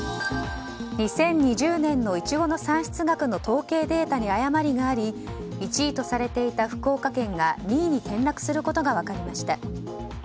２０２０年のイチゴの産出額の統計データに誤りがあり１位とされていた福岡県が２位に転落することが分かりました。